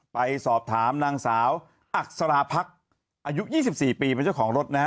ไปสอบถามนางสาวอักษราพักอายุยี่สิบสี่ปีมันเจ้าของรถนะฮะ